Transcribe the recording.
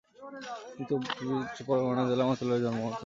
তিনি চব্বিশ পরগণা জেলায় মাতুলালয়ে জন্মগ্রহণ করেন।